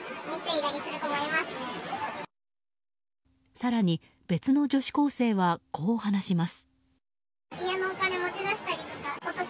更に別の女子高生はこう話します。